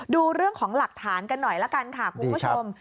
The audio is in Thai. ดูเรื่องของหลักฐานกันหน่อยละกันค่ะคุณผู้ชม